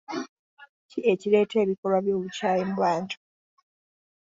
Ki ekireeta ebikolwa by'obukyayi mu bantu?